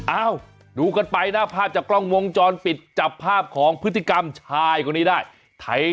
เอ้าดูกันไปนะภาพจากกล้องวงจรปิดจับภาพของพฤติกรรมชายคนนี้ได้